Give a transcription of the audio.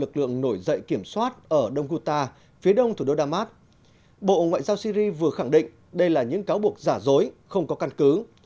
trong một tuyên bố bộ ngoại giao siri vừa khẳng định đây là những cáo buộc giả dối không có căn cứ